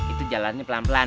itu jalannya pelan pelan